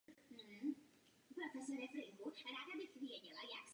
Usnesení nemusí vždy obsahovat odůvodnění.